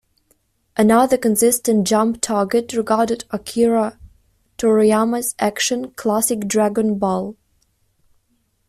Another consistent Jump target regarded Akira Toriyama's action classic "Dragon Ball".